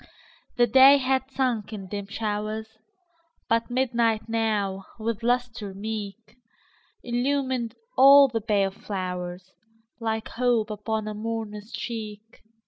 The day had sunk in dim showers, But midnight now, with lustre meek, Illumined all the pale flowers, Like hope upon a mourner's cheek.